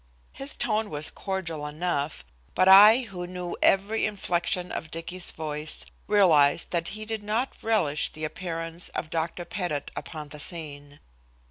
His tone was cordial enough, but I, who knew every inflection of Dicky's voice, realized that he did not relish the appearance of Dr. Pettit upon the scene.